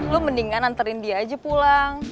lo mendingan anterin dia aja pulang